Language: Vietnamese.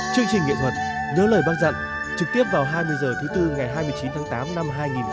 chương trình nghệ thuật nhớ lời bác dặn trực tiếp vào hai mươi h thứ bốn ngày hai mươi chín tháng tám năm hai nghìn một mươi tám